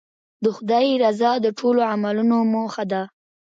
د خدای رضا د ټولو عملونو موخه ده.